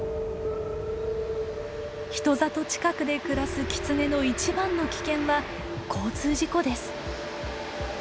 人里近くで暮らすキツネの一番の危険は交通事故です。